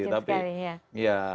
iya kecil sekali ya